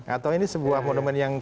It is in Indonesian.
atau ini sebuah monumen yang